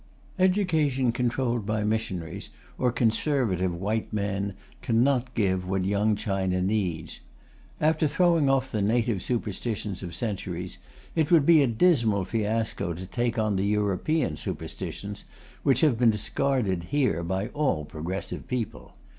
Education controlled by missionaries or conservative white men cannot give what Young China needs. After throwing off the native superstitions of centuries, it would be a dismal fiasco to take on the European superstitions which have been discarded here by all progressive people.